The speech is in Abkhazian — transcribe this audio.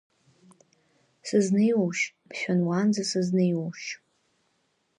Сызнеиуоушь, мшәан, уанӡа сызнеиуоушь?